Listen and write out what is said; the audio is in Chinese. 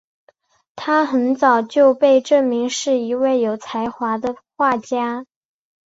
她很早就被证明是一位有才华的画家。